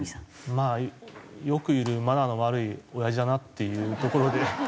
まあよくいるマナーの悪いおやじだなっていうところで。